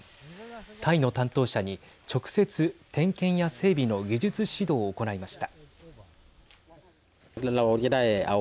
タイの担当者に直接点検や整備の技術指導を行いました。